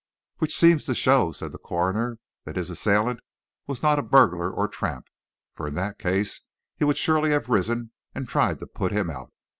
"Which seems to show," said the coroner, "that his assailant was not a burglar or tramp, for in that case he would surely have risen and tried to put him out.